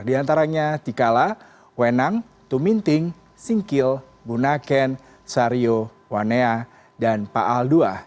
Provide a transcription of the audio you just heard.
di antaranya tikala wenang tuminting singkil bunaken sario wanea dan paal ii